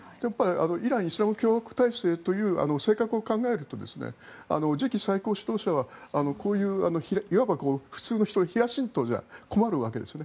イラン・イスラム共和国体制という性格を考えると次期最高指導者はこういういわば普通の人平信徒じゃ困るわけですね。